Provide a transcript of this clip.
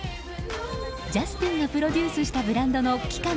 ジャスティンがプロデュースしたブランドの期間